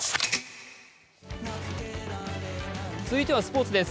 続いてはスポーツです。